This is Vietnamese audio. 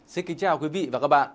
xin kính chào quý vị và các bạn